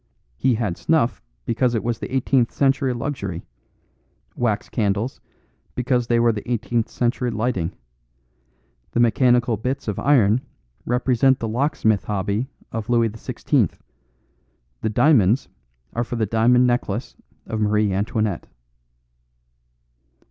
He had snuff because it was the eighteenth century luxury; wax candles, because they were the eighteenth century lighting; the mechanical bits of iron represent the locksmith hobby of Louis XVI; the diamonds are for the Diamond Necklace of Marie Antoinette."